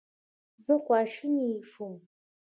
زه خواشینی شوم.